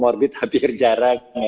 comorbid hampir jarang